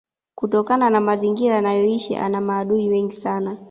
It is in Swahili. kutokana na mazingira anayoishi ana maadui wengi sana